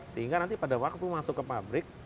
sehingga nanti pada waktu masuk ke pabrik